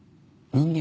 人間？